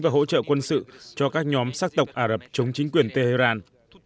và hỗ trợ quân sự cho các nhóm sát tộc ả rập chống chính quyền tehran